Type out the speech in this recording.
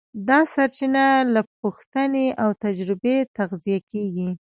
دا سرچینه له پوښتنې او تجربې تغذیه کېږي.